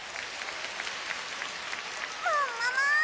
ももも！